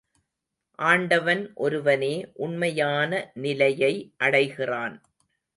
ஆண்டவன் ஒருவனே உண்மையான நிலையை அடைகிறான்.